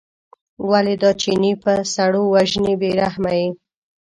ولې دا چینی په سړو وژنې بې رحمه یې.